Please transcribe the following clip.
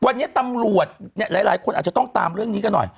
วันนี้ตำรวจหลายคนอาจจะต้องตามเรื่องนี้กันหน่อย